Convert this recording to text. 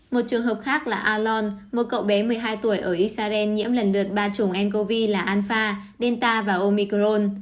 một trường hợp khác là aonolon một cậu bé một mươi hai tuổi ở israel nhiễm lần lượt ba chủng ncov là alpha delta và omicron